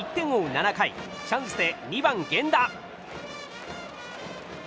７回チャンスで２番、源田。